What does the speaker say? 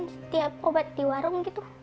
setiap obat di warung gitu